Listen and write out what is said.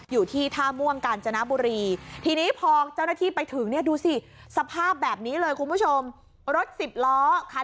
อยู่ที่ท่าม่วงกาญจนบุรีทีนี้พอเจ้าหน้าที่ไปถึงเนี่ยดูสิสภาพแบบนี้เลยคุณผู้ชมรถสิบล้อคัน